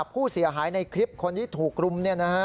ผู้เสียหายในคลิปคนที่ถูกรุม